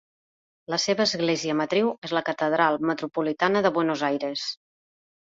La seva església matriu és la Catedral Metropolitana de Buenos Aires.